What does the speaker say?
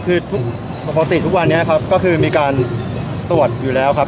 คือทุกปกติทุกวันนี้ครับก็คือมีการตรวจอยู่แล้วครับ